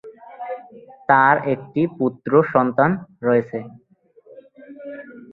তার একটি পুত্র সন্তান রয়েছে।